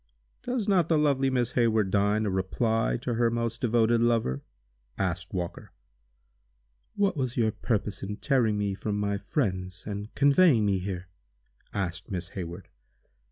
"Does not the lovely Miss Hayward deign a reply to her most devoted lover?" asked Walker. "What was your purpose in tearing me from my friends, and conveying me here?" asked Miss Hayward.